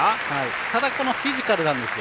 ただフィジカルなんですよ。